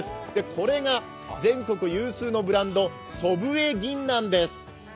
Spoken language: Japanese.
これが全国有数のブランド・祖父江ぎんなんです。